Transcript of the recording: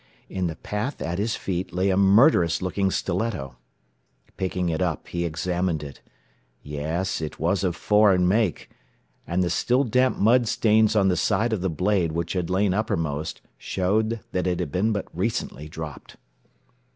In the path at his feet lay a murderous looking stiletto. Picking it up, he examined it. Yes; it was of foreign make. And the still damp mud stains on the side of the blade which had lain uppermost showed it had been but recently dropped.